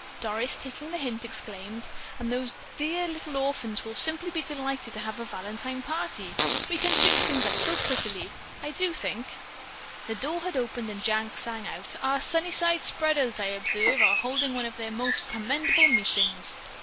Doris, taking the hint, exclaimed: "And those dear little orphans will be simply delighted to have a Valentine party. We can fix things up so prettily. I do think——" The door had opened and Jack sang out: "Our Sunnyside Spreaders, I observe, are holding one of their most commendable meetings.